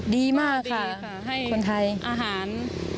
ดีมากค่ะคนไทยดีค่ะให้อาหาร